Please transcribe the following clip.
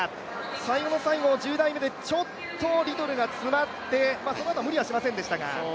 最後の最後１０台目でちょっとリトルが詰まってそのあとは無理はしませんでしたが。